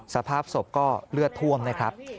สภาพศพก็เลือดท่วมนะครับ